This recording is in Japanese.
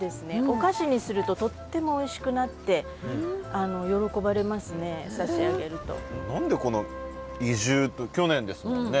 お菓子にするととってもおいしくなって喜ばれますね差し上げると。